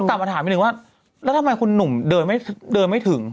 ต้องกลับมาถามหนึ่งว่าแล้วทำไมคุณหนุ่มเดินไม่ถึง